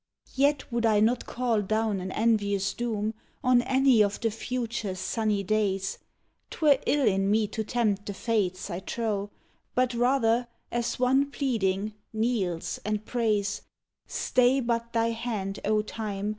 Yet would I not call down an envious doom On any of the future's sunny days; 'Twere ill in me to tempt the Fates, I trow; But, rather, as one pleading, kneels and prays: "Stay but thy hand, O Time!